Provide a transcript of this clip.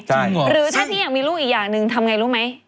หรือถ้าพี่อยากมีลูกอีกอย่างหนึ่งทำไงรู้ไหม